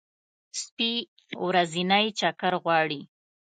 سپي ورځنی چکر غواړي.